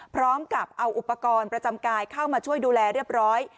พร้อมกับเอาอุปกรณ์ประจำกายเข้ามาช่วยดูแลเรียบร้อย